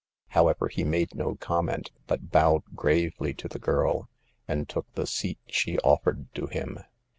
However, he made no comment, but bowed gravely to the girl, and took the seat she offered to him.